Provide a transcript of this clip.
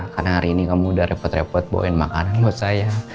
karena hari ini kamu udah repot repot bawa makanan buat saya